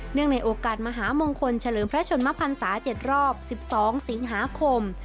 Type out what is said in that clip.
ในโอกาสมหามงคลเฉลิมพระชนมพันศา๗รอบ๑๒สิงหาคม